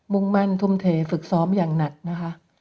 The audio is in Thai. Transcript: มุ่งมั่นทุ่มเทฝึกซ้อมอย่างหนักนะคะ